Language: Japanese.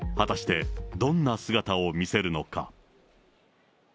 果たしてどんな姿を見せるのか。